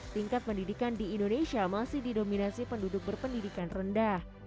tingkat pendidikan di indonesia masih didominasi penduduk berpendidikan rendah